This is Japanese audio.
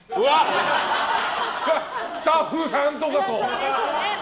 スタッフさんとかと！